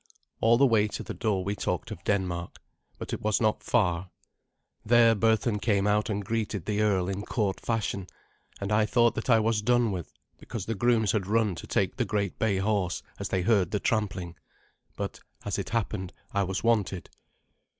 All the way to the door we talked of Denmark, but it was not far. There Berthun came out and greeted the earl in court fashion, and I thought that I was done with, because the grooms had run to take the great bay horse as they heard the trampling. But, as it happened, I was wanted.